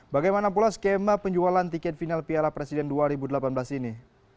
bagaimana pula skema penjualan tiket final piala presiden dua ribu delapan belas ini